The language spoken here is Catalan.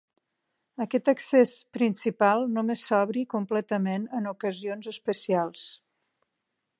Aquest accés principal només s'obri completament en ocasions especials.